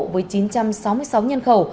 với chín trăm sáu mươi sáu nhân khẩu